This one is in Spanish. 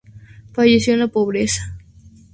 Falleció en la pobreza.